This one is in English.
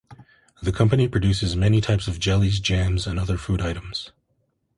The company produces many types of jellies, jams, and other food items.